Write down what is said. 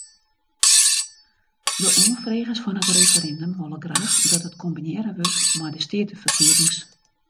De oanfregers fan it referindum wolle graach dat it kombinearre wurdt mei de steateferkiezings.